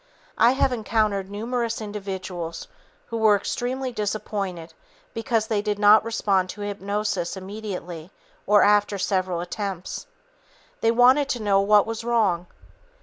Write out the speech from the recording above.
I have encountered numerous individuals who were extremely disappointed because they did not respond to hypnosis immediately or after several attempts. They wanted to know "what was wrong."